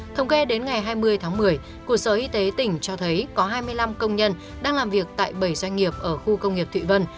thống kê đến ngày hai mươi tháng một mươi của sở y tế tỉnh cho thấy có hai mươi năm công nhân đang làm việc tại bảy doanh nghiệp ở khu công nghiệp thụy vân